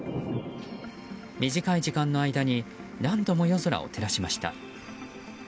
短い時間の間に何度も夜空を照らしました。